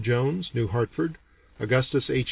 Jones, New Hartford; Augustus H.